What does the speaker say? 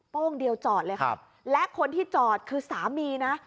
โป้งเดียวจอดเลยครับและคนที่จอดคือสามีนะ